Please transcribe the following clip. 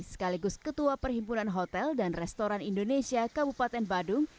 sekaligus ketua perhimpunan hotel dan restoran indonesia kabupaten badung